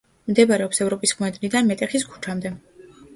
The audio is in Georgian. მდებარეობს ევროპის მოედნიდან, მეტეხის ქუჩამდე.